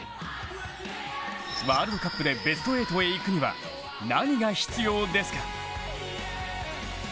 ワールドカップでベスト８へ行くには何が必要ですか？